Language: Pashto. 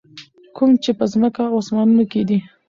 کوم چې په ځکمه او اسمانونو کي دي.